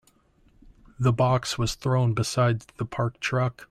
The box was thrown beside the parked truck.